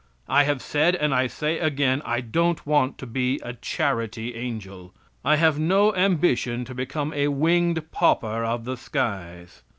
I have said, and I say again, I don't want to be a charity angel. I have no ambition to become a winged pauper of the skies.